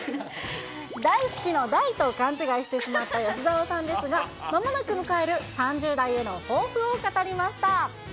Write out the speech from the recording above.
大好きの大と勘違いしてしまった吉沢さんですが、まもなく迎える３０代への抱負を語りました。